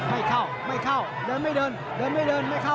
ไม่เข้าไม่เข้าเดินไม่เดินเดินไม่เดินไม่เข้า